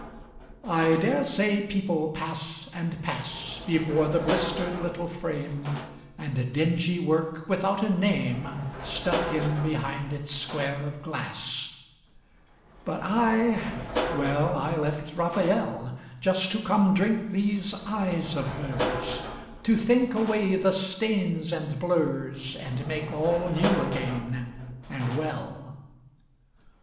I dare say people pass and pass Before the blistered little frame, And dingy work without a name Stuck in behind its square of glass. But I, well, I left Raphael Just to come drink these eyes of hers, To think away the stains and blurs And make all new again and well.